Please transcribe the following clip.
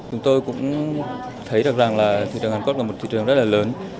chúng tôi cũng thấy được rằng là thị trường hàn quốc là một thị trường rất là lớn